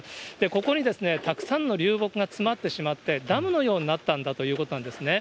ここにたくさんの流木が詰まってしまって、ダムのようになったんだということなんですね。